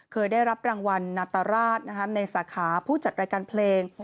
เคยได้รับรางวัลนาตราชในสาขาผู้จัดรายการเพลง